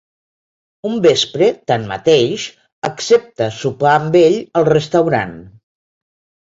Un vespre, tanmateix, accepta sopar amb ell al restaurant.